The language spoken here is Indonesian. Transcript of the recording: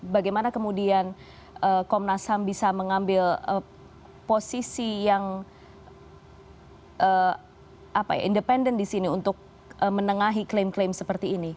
bagaimana kemudian komnas ham bisa mengambil posisi yang independen di sini untuk menengahi klaim klaim seperti ini